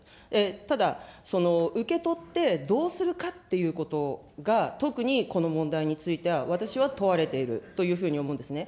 ただ、受け取ってどうするかっていうことが、特にこの問題については、私は問われているというふうに思うんですね。